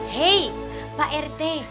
hei pak rt